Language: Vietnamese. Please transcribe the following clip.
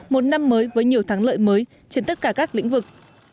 một năm mới với nhiều thắng lợi mới trên tất cả các lĩnh vực